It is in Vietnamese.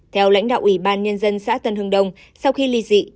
theo lãnh đạo ủy ban nhân dân xã tân hưng đông sau khi ly dị